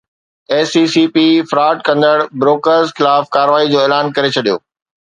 S E C P fraud ڪندڙ brokers خلاف ڪارروائي جو اعلان ڪري ڇڏيو